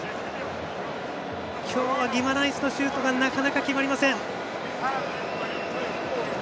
今日はギマランイスのシュートがなかなか決まりません。